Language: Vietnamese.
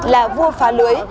là vua phá lưới